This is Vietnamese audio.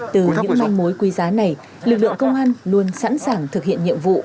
từ những manh mối quý giá này lực lượng công an luôn sẵn sàng thực hiện nhiệm vụ